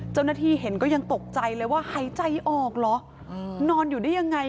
เจ้าหน้าที่เห็นก็ยังตกใจเลยว่าหายใจออกเหรอนอนอยู่ได้ยังไง